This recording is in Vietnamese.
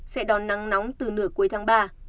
sẽ đón nắng nóng từ nửa cuối tháng ba